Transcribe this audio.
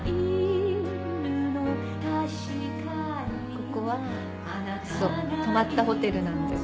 ここは泊まったホテルなんです。